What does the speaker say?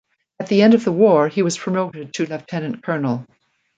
At the end of the war he was promoted to lieutenant colonel.